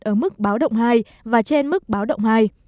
ở mức báo động hai và trên mức báo động hai